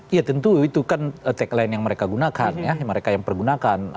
ya tentu itu kan tagline yang mereka gunakan ya yang mereka yang pergunakan